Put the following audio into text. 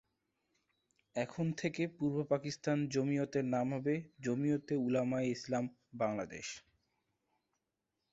এখন থেকে পূর্ব পাকিস্তান জমিয়তের নাম হবে ‘জমিয়তে উলামায়ে ইসলাম বাংলাদেশ'।